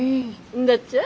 んだっちゃ。